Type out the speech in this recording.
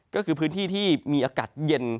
ก็คือพื้นที่ที่มีอากาศเย็น